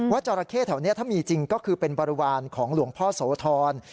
จราเข้แถวนี้ถ้ามีจริงก็คือเป็นบริวารของหลวงพ่อโสธร